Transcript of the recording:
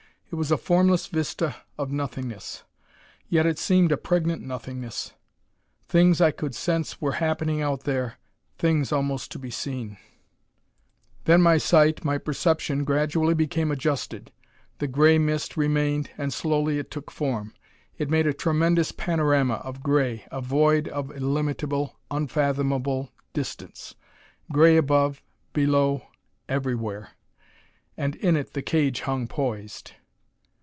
It was a formless vista of Nothingness, yet it seemed a pregnant Nothingness. Things I could sense were happening out there; things almost to be seen. Then my sight, my perception, gradually became adjusted. The gray mist remained, and slowly it took form. It made a tremendous panorama of gray, a void of illimitable, unfathomable distance; gray above, below everywhere; and in it the cage hung poised.